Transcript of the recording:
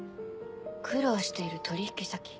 「苦労している取引先」。